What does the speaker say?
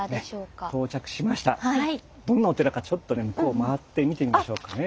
どんなお寺かちょっとね向こう回って見てみましょうかね。